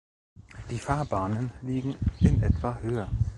Die Fahrbahnen liegen in etwa Höhe.